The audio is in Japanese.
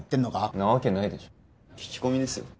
なわけないでしょ聞き込みですよ